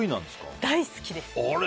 大好きです。